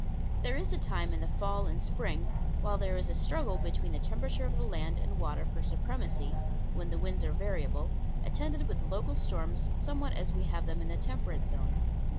There is a time in the fall and spring, while there is a struggle between the temperature of the land and water for supremacy, when the winds are variable, attended with local storms somewhat as we have them in the temperate zone.